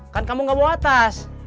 kan kamu gak bawa atas